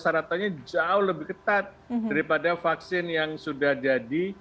syaratannya jauh lebih ketat daripada vaksin yang sudah jadi